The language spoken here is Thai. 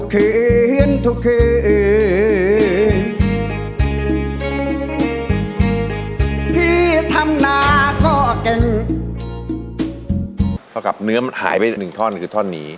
ก็เนมหายไป๑ท่อนคือท่อนนี้